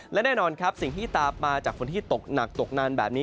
และแน่นอนครับสิ่งที่ตามมาจากฝนที่ตกหนักตกนานแบบนี้